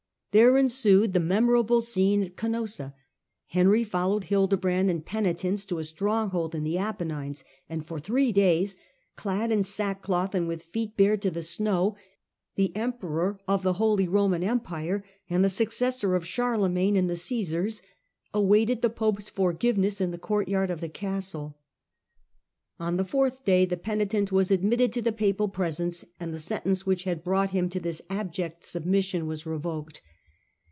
There ensued the memor able scene at Canossa. Henry followed Hildebrand in penitence to a stronghold in the Apennines, and for three days, clad in sackcloth and with feet bared to the snow, the Emperor of the Holy Roman Empire, the successor of Charlemagne and the Caesars, awaited the Pope's forgiveness in the courtyard of the castle. On the fourth day the penitent was admitted to the Papal presence and the sentence which had brought him to this abject submission was revoked.